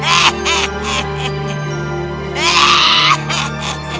kayak macam san librarian bertujuan metode